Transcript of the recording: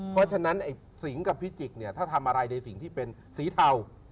เพราะฉะนั้นไอ้สิงกับพิจิกเนี่ยถ้าทำอะไรในสิ่งที่เป็นสีเทา